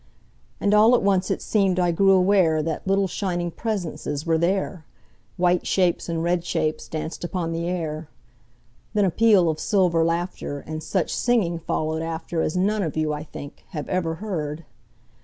And all at once it seem'd I grew awareThat little, shining presences were there,—White shapes and red shapes danced upon the air; Then a peal of silver laughter, And such singing followed afterAs none of you, I think, have ever heard.